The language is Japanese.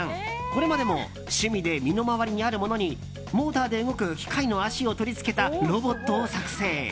これまでも趣味で身の回りにあるものにモーターで動く機械の脚を取り付けたロボットを作成。